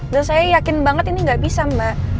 dan saya yakin banget ini gak bisa mbak